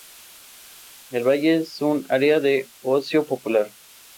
El valle es un área de ocio popular.